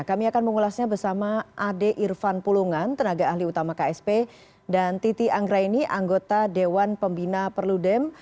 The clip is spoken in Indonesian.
kami akan mengulasnya bersama ade irfan pulungan tenaga ahli utama ksp dan titi anggraini anggota dewan pembina perludem